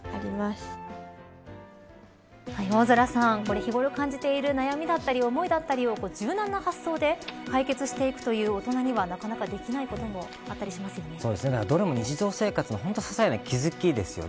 日頃感じている悩みだったり思いだったり柔軟な発想で解決していくという、大人にはなかなかできないこともどれも日常生活のささいな気付きですよね。